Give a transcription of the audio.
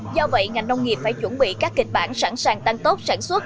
do vậy ngành nông nghiệp phải chuẩn bị các kịch bản sẵn sàng tăng tốt sản xuất